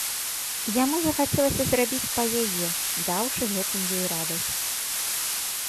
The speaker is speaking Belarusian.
Яму захацелася зрабіць па яе, даўшы гэтым ёй радасць.